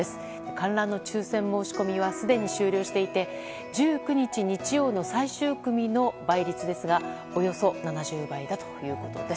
観覧の抽選申し込みはすでに終了していて１９日、日曜の最終組の倍率はおよそ７０倍だということです。